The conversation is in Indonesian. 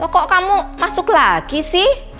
kok kamu masuk lagi sih